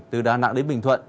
từ đà nẵng đến bình thuận